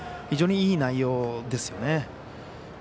非常にいい内容ですよね。